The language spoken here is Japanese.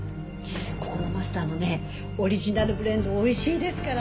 ここのマスターのねオリジナルブレンドおいしいですから。